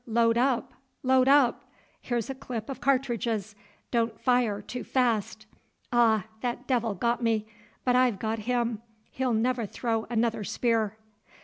Load up, load up! Here's a clip of cartridges. Don't fire too fast. Ah! that devil got me, but I've got him; he'll never throw another spear."